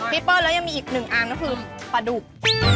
เปิ้ลแล้วยังมีอีกหนึ่งอันก็คือปลาดุก